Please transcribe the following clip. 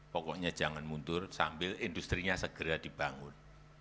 pokoknya jangan mundur sambil industrinya segera dibangun